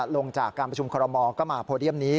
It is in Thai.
ลงจากการประชุมคอรมอลก็มาโพเดียมนี้